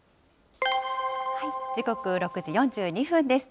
時刻、６時４２分です。